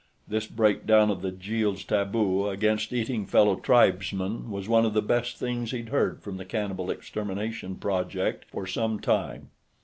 This breakdown of the Jeels' taboo against eating fellow tribesmen was one of the best things he'd heard from the cannibal extermination project for some time.